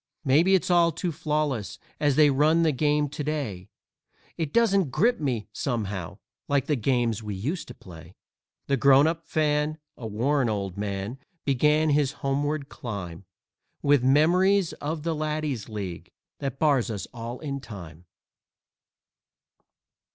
Maybe it's all too flawless as they run the game to day It doesn't grip me, somehow, like the games we used to play." The Grown up Fan, a worn old man, began his homeward climb With memories of the Laddies' League that bars us all in time.